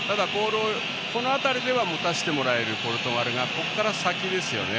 その辺りでは持たせてもらえるポルトガルがここから先ですよね。